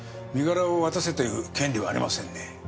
身柄を渡せという権利はありませんね。